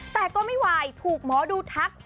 แต่ก็ไม่ไหวถูกหมอดูทัก